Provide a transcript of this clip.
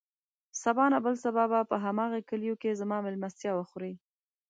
سبا نه، بل سبا به په هماغه کليو کې زما مېلمستيا وخورې.